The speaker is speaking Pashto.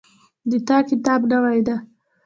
د تا کتاب نوی ده